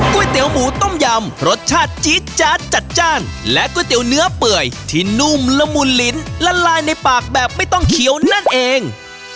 ก๋วยเตี๋ยวหมูต้มยำรสชาติจี๊ดจาดจัดจ้านและก๋วยเตี๋ยวเนื้อเปื่อยที่นุ่มละมุนลิ้นละลายในปากแบบไม่ต้องเขียวนั่นเอง